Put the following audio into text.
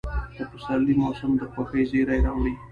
د پسرلي موسم د خوښۍ زېرى راوړي.